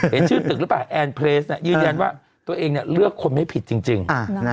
เห็นชื่อตึกหรือเปล่าแอนเพลสยืนยันว่าตัวเองเลือกคนไม่ผิดจริง